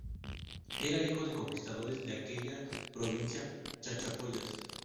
Era hijo de conquistadores de aquella provincia, Chachapoyas.